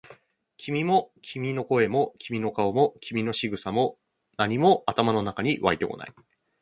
君も、君の声も、君の顔も、君の仕草も、何も頭の中に湧いてこない。